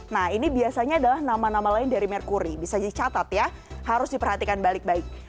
nah ini biasanya adalah nama nama lain dari merkuri bisa dicatat ya harus diperhatikan balik baik